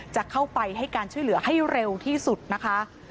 จะเข้าไปให้การช่วยเหลือให้เร็วที่สุดนะคะ